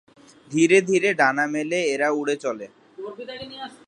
ধীরে ধীরে ডানা মেলে এরা উড়ে চলে।